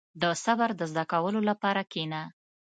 • د صبر د زده کولو لپاره کښېنه.